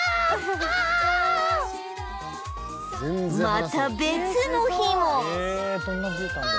また別の日もうわ！